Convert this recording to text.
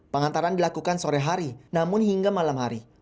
pengantaran dilakukan sore hari namun hingga malam hari